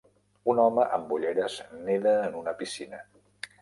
Un home amb ulleres neda en una piscina.